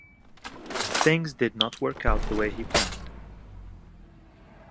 Things did not work out the way he planned.